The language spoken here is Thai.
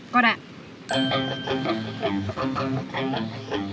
ก็ได้